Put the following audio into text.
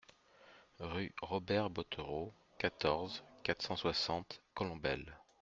Rue Robert Bothereau, quatorze, quatre cent soixante Colombelles